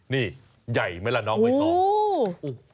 นี่ใหญ่ไหมล่ะน้องใบตอง